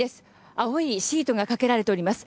青いシートがかけられております。